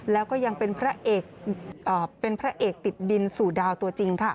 แล้วก็ยังเป็นพระเอกติดดินสู่ดาวตัวจริงค่ะ